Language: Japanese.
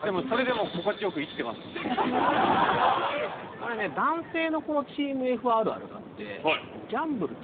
これね男性のチームＦあるあるがあってえっ！？